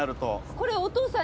これお父さん